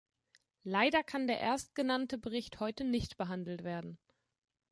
Leider kann der erstgenannte Bericht heute nicht behandelt werden.